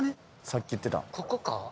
さっき言ってたんここか？